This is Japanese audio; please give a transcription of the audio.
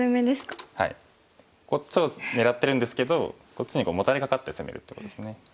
こっちを狙ってるんですけどこっちにモタれかかって攻めるってことですね。